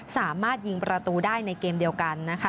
สามารถยิงประตูได้ในเกมเดียวกันนะคะ